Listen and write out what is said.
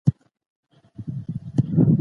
عصبي پوهان د دې برخې فعالیت په بشپړ ډول نه پوهېږي.